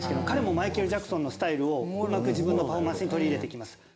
彼もマイケル・ジャクソンのスタイルをうまく自分のパフォーマンスに取り入れてきます。